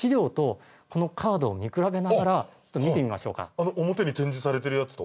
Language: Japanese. あの表に展示されてるやつと？